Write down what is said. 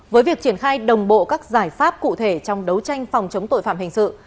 với việc triển khai đồng bộ các giải pháp cụ thể trong đấu tranh phòng chống tội phạm hình sự